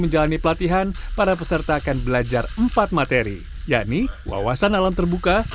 yakni wawasan alam terbuka